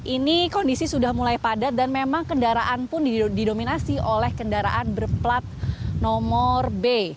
ini kondisi sudah mulai padat dan memang kendaraan pun didominasi oleh kendaraan berplat nomor b